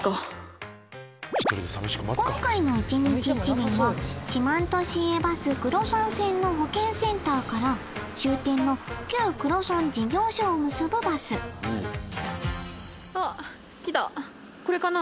今回の１日１便は四万十市営バス黒尊線の保健センターから終点の黒尊事業所を結ぶバスあっ来たこれかな？